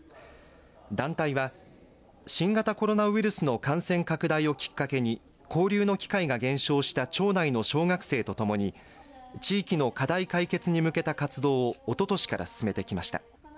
団体は新型コロナウイルスの感染拡大をきっかけに交流の機会が減少した町内の小学生とともに地域の課題解決に向けた活動をおととしから進めてきました。